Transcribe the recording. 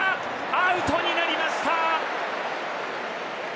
アウトになりました。